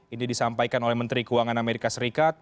ini disampaikan oleh menteri keuangan amerika serikat